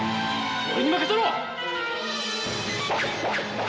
俺に任せろ！